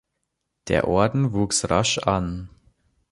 Der Orden wuchs rasch an.